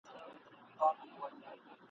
په خپل زړه یې د دانې پر لور ګزر سو !.